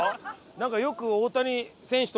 なんかよく。